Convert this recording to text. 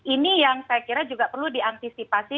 ini yang saya kira juga perlu diantisipasi